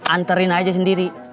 anterin aja sendiri